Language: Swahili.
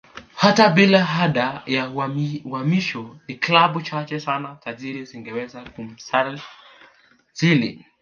Hata bila ada ya uhamisho ni klabu chache sana tajiri zingeweza kumsajili